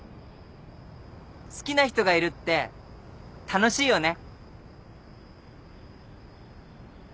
好きな人がいるって楽しいよね。